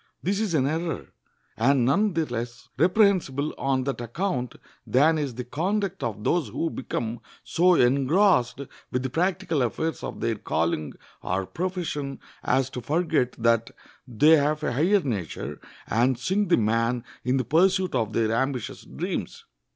This is an error, and none the less reprehensible on that account than is the conduct of those who become so engrossed with the practical affairs of their calling or profession as to forget that they have a higher nature, and sink the man in the pursuit of their ambitious dreams.